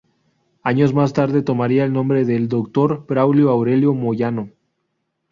Años más tarde tomaría el nombre del doctor Braulio Aurelio Moyano.